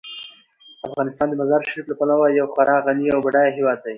افغانستان د مزارشریف له پلوه یو خورا غني او بډایه هیواد دی.